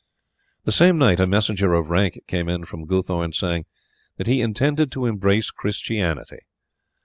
The same night a messenger of rank came in from Guthorn saying that he intended to embrace Christianity.